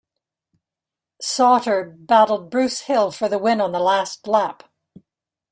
Sauter battled Bruce Hill for the win on the last lap.